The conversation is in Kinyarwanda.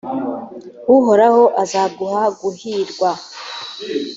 uhoraho azaguha guhirwa,